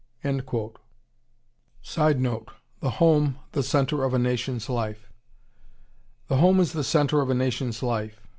[Sidenote: The home, the centre of a nation's life.] The home is the centre of a nation's life.